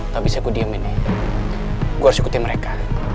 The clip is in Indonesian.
tapi saya kudiamin nih gue harus ikutin mereka